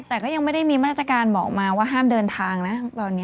แต่ก็ยังไม่ได้มีมาตรการบอกมาว่าห้ามเดินทางนะตอนนี้